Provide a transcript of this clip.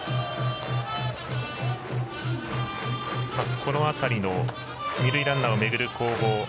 この辺りの二塁ランナーを巡る攻防。